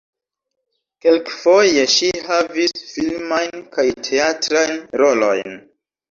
Kelkfoje ŝi havis filmajn kaj teatrajn rolojn.